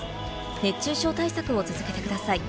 熱中症対策を続けてください。